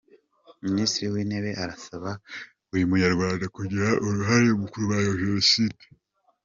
Minisitiri w’Intebe arasaba buri Munyarwanda kugira uruhare mu kurwanya Jenoside